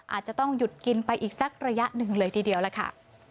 อาจจะต้องหยุดกินไปอีกสักระยะหนึ่งเลยทีเดียวล่ะค่ะ